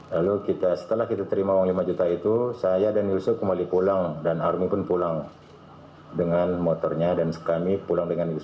lalu setelah kita terima uang lima juta itu saya dan yusuf kembali pulang dan army pun pulang dengan motornya dan kami pulang dengan yusuf